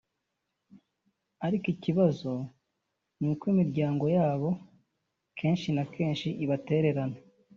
ariko ikibazo ni uko imiryango yabo kenshi na kenshi ibatererana